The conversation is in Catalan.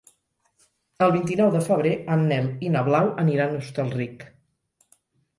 El vint-i-nou de febrer en Nel i na Blau aniran a Hostalric.